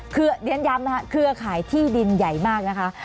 คือเรียนย้ำนะคะเครือข่ายที่ดินใหญ่มากนะคะ